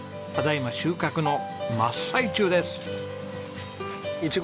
ただ今収穫の真っ最中です！